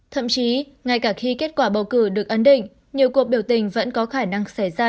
thậm chí ngay cả khi kết quả bầu cử được ấn định nhiều cuộc biểu tình vẫn có khả năng xảy ra